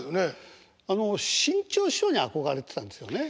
あの志ん朝師匠に憧れてたんですよね？